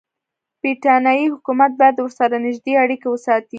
برټانیې حکومت باید ورسره نږدې اړیکې وساتي.